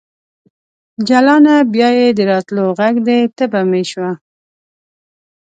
جلانه ! بیا یې د راتللو غږ دی تبه مې شوه